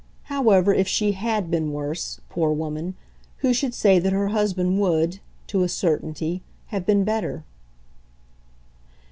However, if she HAD been worse, poor woman, who should say that her husband would, to a certainty, have been better?